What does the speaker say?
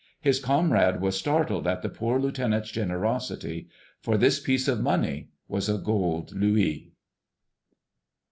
His comrade was startled at the poor lieutenant's generosity, for this piece of money was a gold louis.